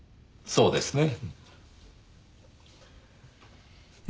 そうですね。